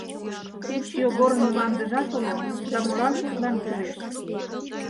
Кеч Йогорын мландыжат уло, да молан тудлан кӱлеш?